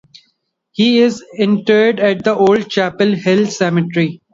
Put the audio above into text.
He is interred at the Old Chapel Hill Cemetery.